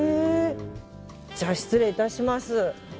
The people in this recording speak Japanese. じゃあ失礼いたします。